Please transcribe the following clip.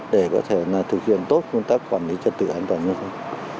để có thể thực hiện tốt công tác quản lý trật tự an toàn giao thông